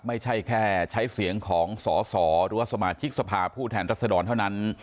ไม่ใช่แค่ใช้เสียงของสอสอหรือว่าสมาชิกสภาผู้แทนรัศดรเท่านั้น